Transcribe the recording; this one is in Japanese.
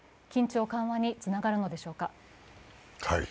緊張緩和につながるのでしょうか。